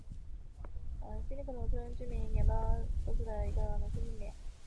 希列克沙农村居民点是俄罗斯联邦伊万诺沃州基涅什马区所属的一个农村居民点。